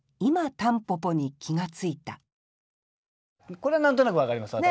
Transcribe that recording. これ何となく分かります私も。